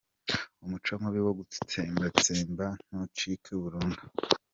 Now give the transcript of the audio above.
Umuco mubi wo gutsembatsemba nucike burundu.